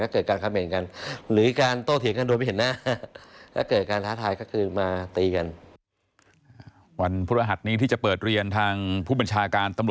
เกิดการคำเห็นกันหรือการโตเถียงกันโดยไม่เห็นหน้า